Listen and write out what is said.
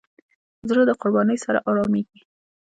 زړه د قربانۍ سره آرامېږي.